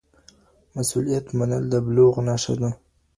مسؤليت منل د بلوغ نښه ده.